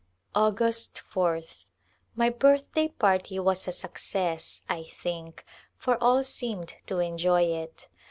August ph. My birthday party was a success, I think, for all seemed to enjoy it.